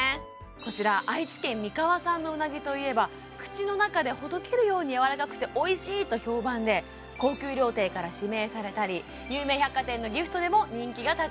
こちら愛知県三河産のうなぎといえば口の中でほどけるようにやわらかくておいしいと評判で高級料亭から指名されたり有名百貨店のギフトでも人気が高いんです